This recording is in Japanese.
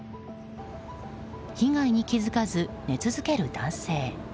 被害に気付かず寝続ける男性。